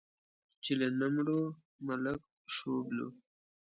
چې له نه مړو، ملک شوبلو.